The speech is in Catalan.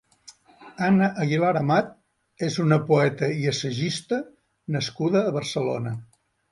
Anna Aguilar-Amat és una poeta i assagista nascuda a Barcelona.